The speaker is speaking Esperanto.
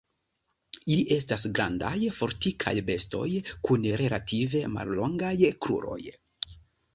Ili estas grandaj, fortikaj bestoj kun relative mallongaj kruroj.